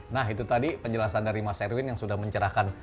nah itu tadi penjelasan dari mas erwin yang sudah mencerahkan